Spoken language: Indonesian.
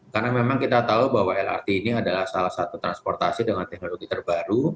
karena memang kita tahu bahwa lrt ini adalah salah satu transportasi dengan teknologi terbaru